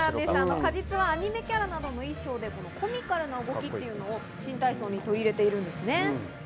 鹿実はアニメキャラなどの衣装でコミカルな動きというのを新体操に取り入れています。